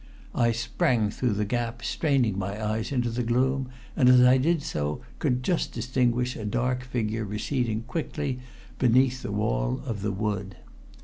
I sprang through the gap, straining my eyes into the gloom, and as I did so could just distinguish a dark figure receding quickly beneath the wall of the wood.